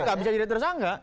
nggak bisa diteresangka